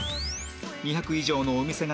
２００以上のお店が並ぶ